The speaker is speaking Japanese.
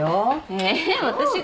え私が？